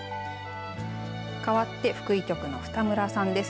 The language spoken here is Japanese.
かわって福井局の二村さんです。